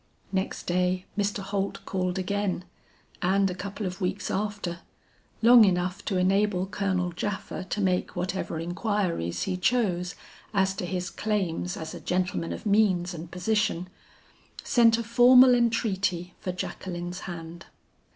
"Next day Mr. Holt called again, and a couple of weeks after long enough to enable Colonel Japha to make whatever inquiries he chose as to his claims as a gentleman of means and position sent a formal entreaty for Jacqueline's hand.